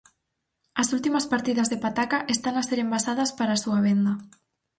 As últimas partidas de pataca están a ser envasadas para a súa venda.